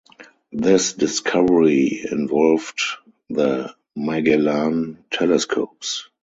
This discovery involved the Magellan Telescopes.